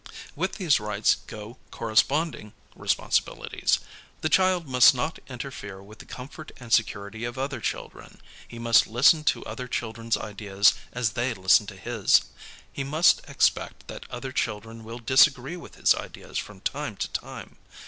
With these rights go corresponding responsibilities. The child must not interfere with the comfort and security of other children. He must listen to other children's ideas as they listen to his. He must expect that other children will disagree with his ideas from time to time.